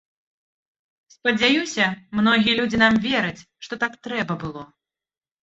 Спадзяюся, многія людзі нам вераць, што так трэба было.